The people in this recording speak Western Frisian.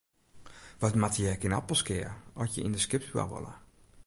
Wat moatte je ek yn Appelskea at je yn de skipsbou wolle?